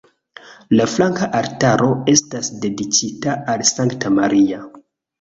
La flanka altaro estas dediĉita al Sankta Maria.